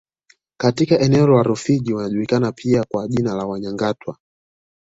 Katika eneo la Rufiji wanajulikana pia kwa jina la Wamyagatwa